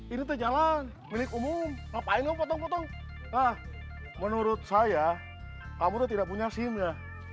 ini terjalan milik umum ngapain potong potong menurut saya kamu tidak punya sim ya